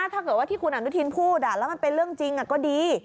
ถ้าเกิดว่าที่คุณอนุทินพูดแล้วมันเป็นเรื่องจริงก็ดี